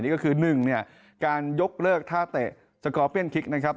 นี่ก็คือ๑เนี่ยการยกเลิกท่าเตะสกอร์เปียนคิกนะครับ